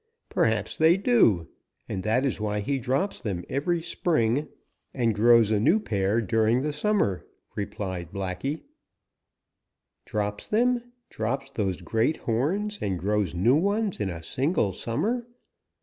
"Perhaps they do, and that is why he drops them every spring and grows a new pair during the summer," replied Blacky. "Drops them! Drops those great horns and grows new ones in a single summer!